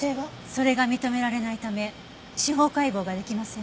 それが認められないため司法解剖が出来ません。